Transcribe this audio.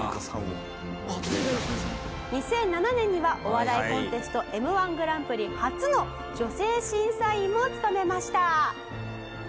「２００７年にはお笑いコンテストＭ−１グランプリ初の女性審査員も務めました」